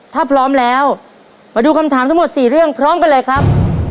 ถ้าพร้อมแล้วมาดูคำถามทั้งหมด๔เรื่องพร้อมกันเลยครับ